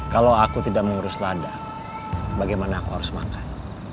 kalau aku tidak mengurus lada bagaimana aku harus makan